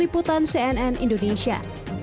putan cnn indonesia